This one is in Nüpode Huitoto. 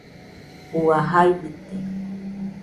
Ua, jai bite